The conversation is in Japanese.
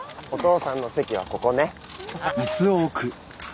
お父さんの席はここね。